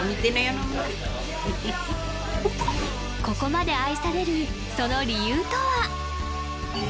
ここまで愛されるその理由とは？